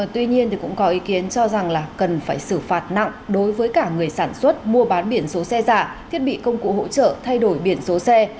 tuy nhiên cũng có ý kiến cho rằng là cần phải xử phạt nặng đối với cả người sản xuất mua bán biển số xe giả thiết bị công cụ hỗ trợ thay đổi biển số xe